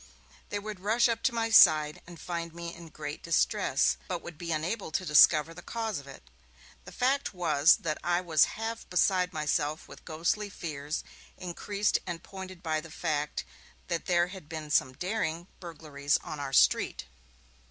They would rush up to my side, and find me in great distress, but would be unable to discover the cause of it. The fact was that I was half beside myself with ghostly fears, increased and pointed by the fact that there had been some daring burglaries on our street.